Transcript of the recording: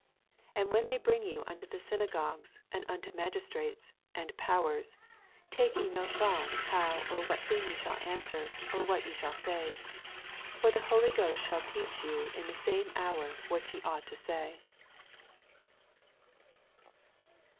11 And when tney bring you unto the synagogues, and unto magistrates, and powers^ take ye no thought how or wnat thmg ye shall answer, or what ye shal? say. 12 For the Holv Ghost shaU teach yon in the same hour what ye ought to say.